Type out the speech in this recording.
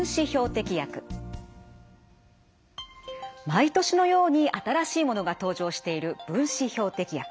毎年のように新しいものが登場している分子標的薬。